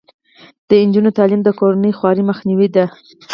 د نجونو تعلیم د کورنۍ خوارۍ مخنیوی دی.